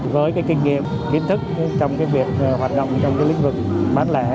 với cái kinh nghiệm kiến thức trong cái việc hoạt động trong cái lĩnh vực bán lẻ